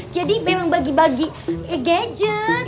jadi emang bagi bagi gadget